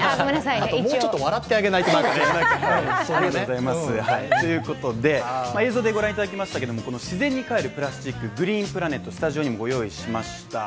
もうちょっと笑ってあげないとなんかね。ということで、映像でご覧いただきましたけれども、自然の還るプラスチック、グリーンプラネット、スタジオにもご用意しました。